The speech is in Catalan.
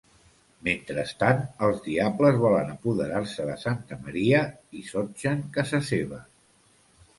Mentrestant, els diables volen apoderar-se de Santa Maria i sotgen casa seva.